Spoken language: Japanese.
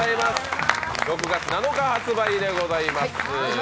６月７日発売でございます。